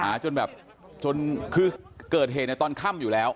จนแบบจนคือเกิดเหตุในตอนค่ำอยู่แล้ว